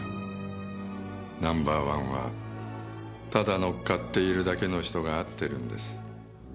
ナンバーワンはただ乗っかっているだけの人が合ってるんです。